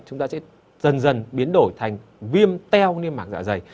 chúng ta sẽ dần dần biến đổi thành viêm teo niêm mạng dạ dày